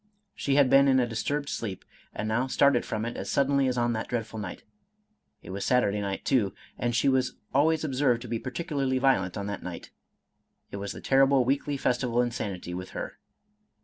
She had been in a disturbed sleep, and now started from it as suddenly as on that dreadful night. It was Saturday night too, and she was always observed to be particularly violent on that night, — ^it was the terrible weekly festival of insanity with her.